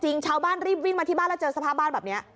ชาวบ้านรีบวิ่งมาที่บ้านแล้วเจอสภาพบ้านแบบนี้